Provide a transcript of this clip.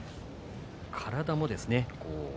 体もですね。